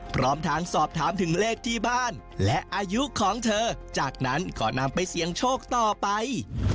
พร้อมทางสอบถามถึงเลขที่บ้านและอายุของเธอจากนั้นก็นำไปเสี่ยงโชคต่อไป